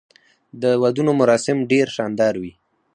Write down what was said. د ودونو مراسم ډیر شاندار وي.